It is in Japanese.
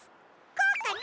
こうかな？